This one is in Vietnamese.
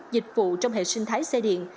dịch vụ trong hệ sinh thái xe điện